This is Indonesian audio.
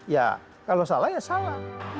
ya kalau salah ya salah